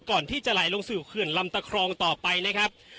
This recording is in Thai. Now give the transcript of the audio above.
ก่อนที่จะไหลลงสู่เขื่อนลำตะครองต่อไปนะครับ